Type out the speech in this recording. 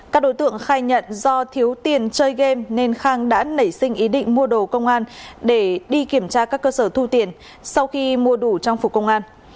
các đối tượng khai nhận do thiếu tiền chơi game nên khang đã nảy sinh ý định mua đồ công an để đi kiểm tra các cơ sở thu tiền sau khi mua đủ trang phục công an